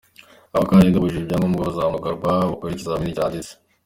Abakandida bujuje ibyangombwa bazahamagarwa bakore ikizamini cyanditse.